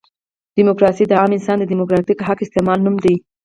ډیموکراسي د عام انسان د ډیموکراتیک حق استعمال نوم دی.